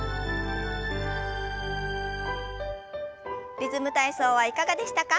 「リズム体操」はいかがでしたか？